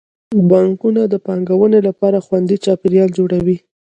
بانکونه د پانګونې لپاره خوندي چاپیریال جوړوي.